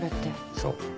そう。